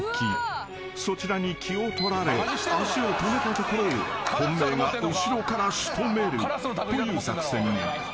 そちらに気を取られ足を止めたところを本命が後ろから仕留めるという作戦に］